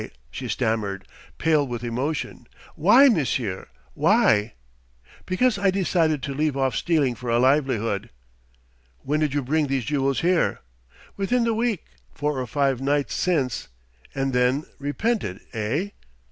she stammered, pale with emotion "why, monsieur, why?" "Because I decided to leave off stealing for a livelihood." "When did you bring these jewels here?" "Within the week four or five nights since " "And then repented, eh?"